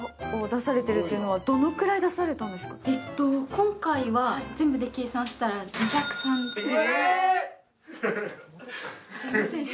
今回は全部で計算したら２３０万円